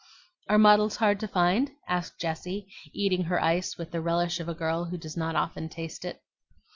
"Are models hard to find?" asked Jessie, eating her ice with the relish of a girl who does not often taste it.